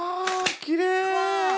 きれい。